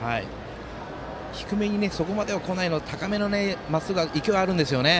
低めにそこまではこないですが高めのまっすぐは勢いがあるんですよね。